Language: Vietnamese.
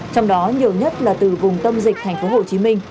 trong đó nhiều nhất là từ vùng tâm dịch tp hcm